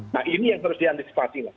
nah ini yang harus diantisipasikan